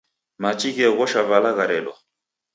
Machi gheoghosha vala gharedwa.